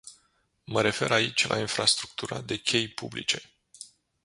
Mă refer aici la infrastructura de chei publice.